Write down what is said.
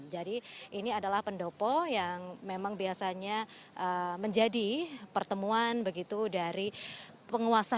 jadi ini adalah pendopo yang memang biasanya menjadi pertemuan begitu dari penguasa